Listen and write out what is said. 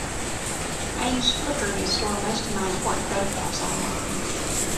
I use Flickr to store most of my important photographs online